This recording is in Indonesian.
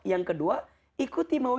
yang kedua ikuti perintahku